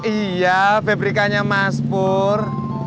iya bebrikanya mas pur